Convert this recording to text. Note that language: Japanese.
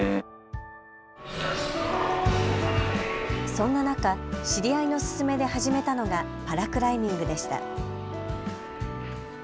そんな中、知り合いの勧めで始めたのがパラクライミングでした。